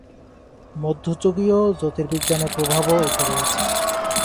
মধ্যযুগীয় জ্যোতির্বিজ্ঞানের প্রভাবও এতে রয়েছে।